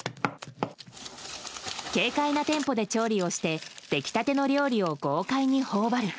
軽快なテンポで調理をして出来立ての料理を豪快に頬張る。